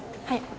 はい。